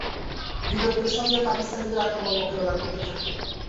বীরত্বের সঙ্গে পাকিস্তানিদের আক্রমণ মোকাবিলা করতে থাকলেন।